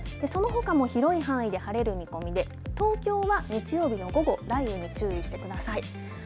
そのほかも広い範囲で晴れる見込みで東京は日曜日の午後雷雨に注意してください。